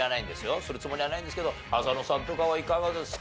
するつもりはないんですけど浅野さんとかはいかがですか？